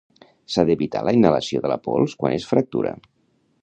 S'ha d'evitar la inhalació de la pols quan es fractura.